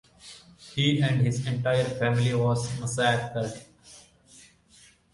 He and his entire family was massacred.